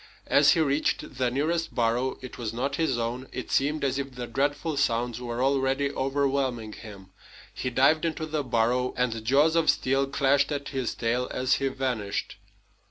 As he reached the nearest burrow it was not his own it seemed as if the dreadful sounds were already overwhelming him. He dived into the burrow, and jaws of steel clashed at his tail as he vanished.